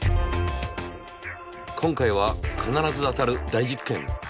今回は必ず当たる大実験。